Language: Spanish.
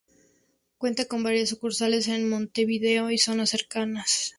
Cuenta con varias sucursales en Montevideo y zonas cercanas.